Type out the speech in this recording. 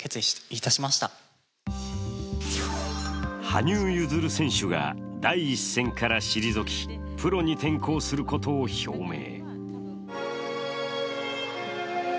羽生結弦選手が第一線から退き、プロに転向することを表明。